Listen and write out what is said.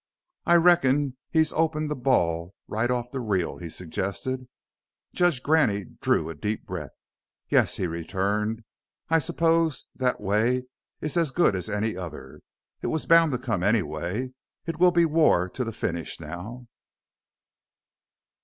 "I reckon he's opened the ball, right off the reel," he suggested. Judge Graney drew a deep breath. "Yes," he returned. "I suppose that way is as good as any other. It was bound to come anyway. It will be war to the finish now!"